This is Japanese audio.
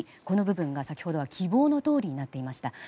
この部分が先ほどは希望のとおりとなっていました。